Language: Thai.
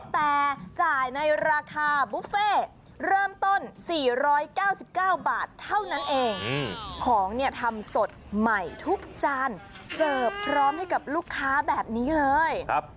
แต่จ่ายในราคาบุฟเฟ่เริ่มต้น๔๙๙บาทเท่านั้นเองของเนี่ยทำสดใหม่ทุกจานเสิร์ฟพร้อมให้กับลูกค้าแบบนี้เลย